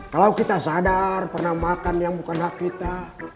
kalau kita sadar pernah makan yang bukan hak kita